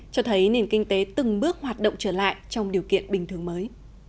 cho thấy nền kinh tế từng bước hoạt động trở lại trong điều kiện bình thường mới